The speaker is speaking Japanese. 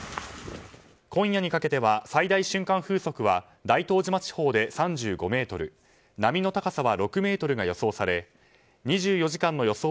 今夜にかけては最大瞬間風速は大東島地方で３５メートル波の高さは６ｍが予想され２４時間の予想